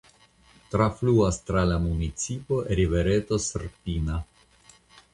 Trafluas tra la municipo rivereto Srpina.